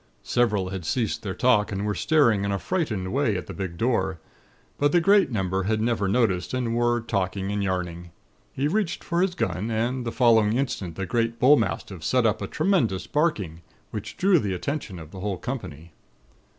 Several had ceased their talk, and were staring in a frightened way at the big door; but the great number had never noticed, and were talking and yarning. He reached for his gun, and the following instant the great bullmastiff set up a tremendous barking, which drew the attention of the whole company.